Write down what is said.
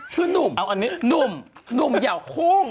คือหนุ่มหนุ่มหนุ่มยาวโค้ง